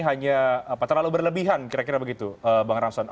hanya terlalu berlebihan kira kira begitu bang ramson